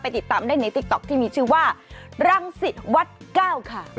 ติดตามได้ในติ๊กต๊อกที่มีชื่อว่ารังสิตวัดเก้าค่ะ